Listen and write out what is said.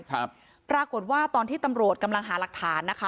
ครับปรากฏว่าตอนที่ตำรวจกำลังหาหลักฐานนะคะ